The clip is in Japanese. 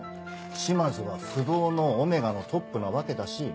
島津は不動のΩのトップなわけだし。